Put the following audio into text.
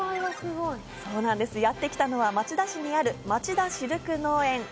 やってきたのは町田市にある、まちだシルク農園。